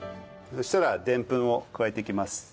そしたらでんぷんを加えていきます。